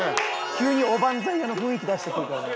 急におばんざい屋の雰囲気出してくるから。